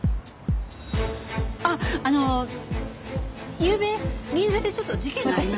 あっあのゆうべ銀座でちょっと事件がありまして。